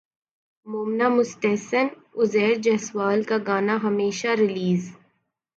مومنہ مستحسن عزیر جسوال کا گانا ہمیشہ ریلیز